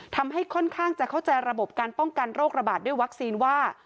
ทำให้ค่อนข้างจะเข้าใจระบบการป้องกันโรคระบาดด้วยวัคซีนว่า